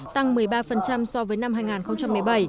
tăng một mươi ba so với năm hai nghìn một mươi bảy